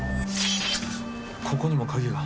ここにも鍵が。